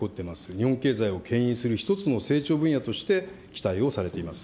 日本経済をけん引する一つの成長分野として期待をされています。